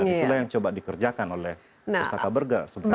dan itulah yang coba dikerjakan oleh pustaka bergerak sebenarnya